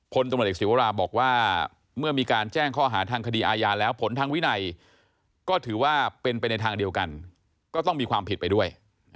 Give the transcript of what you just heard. พลตำรวจเอกศิวราบอกว่าเมื่อมีการแจ้งข้อหาทางคดีอาญาแล้วผลทางวินัยก็ถือว่าเป็นไปในทางเดียวกันก็ต้องมีความผิดไปด้วย